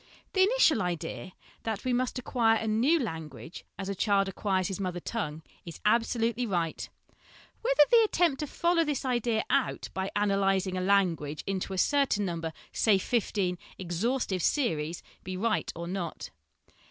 The initial idea, that we must acquire a new language as a child acquires his mother tongue, is absolutely right, whether the attempt to follow this idea out by analysing a language into a certain number, say fifteen, ex haustive ' series/ be right or not.